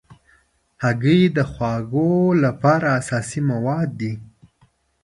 هګۍ د خواږو لپاره اساسي مواد دي.